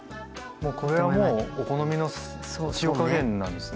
もうこれはもうお好みの塩加減なんですね。